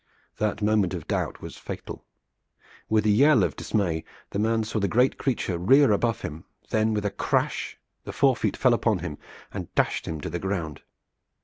That moment of doubt was fatal. With a yell of dismay, the man saw the great creature rear above him. Then with a crash the fore feet fell upon him and dashed him to the ground.